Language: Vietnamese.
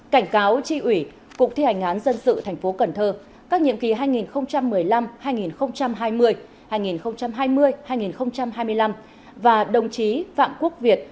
cảnh cáo tri ủy cục thi hành án dân sự tp cần thơ các nhiệm kỳ hai nghìn một mươi năm hai nghìn hai mươi hai nghìn hai mươi hai nghìn hai mươi năm và đồng chí phạm quốc việt